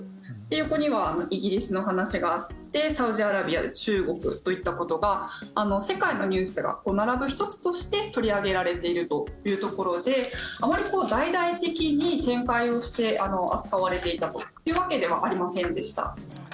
横にはイギリスの話があってサウジアラビア中国といったことが世界のニュースが並ぶ１つとして取り上げられてるというところであまり大々的に展開をして扱われていたというわけではありませんでした。